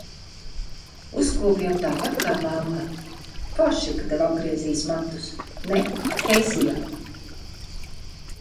Uzkopjam tāpat kā mamma Forši, ka tev apgriezīs matus, ne, Keisija?